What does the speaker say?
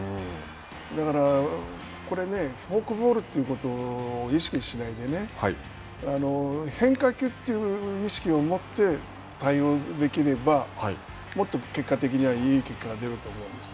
だから、これ、フォークボールということを意識しないで、変化球という意識を持って対応できればもっと結果的にはいい結果が出ると思うんです。